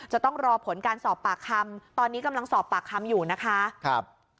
จะต้องรอผลการสอบปากคำตอนนี้กำลังสอบปากคำอยู่นะคะครับ